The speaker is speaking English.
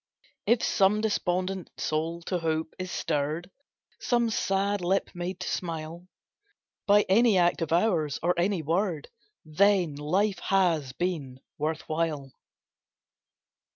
If some despondent soul to hope is stirred, Some sad lip made to smile, By any act of ours, or any word, Then, life has been worth while.